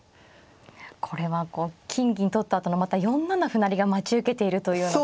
これはこう金銀取ったあとのまた４七歩成が待ち受けているというのが。